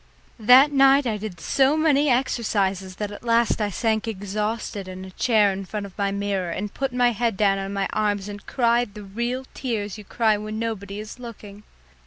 That night I did so many exercises that at last I sank exhausted in a chair in front of my mirror and put my head down on my arms and cried the real tears you cry when nobody is looking.